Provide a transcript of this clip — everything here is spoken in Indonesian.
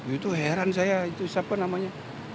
itu heran saya itu siapa namanya